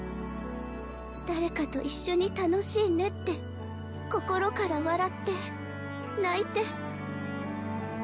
誰かと一緒に楽しいねって心から笑って泣いて。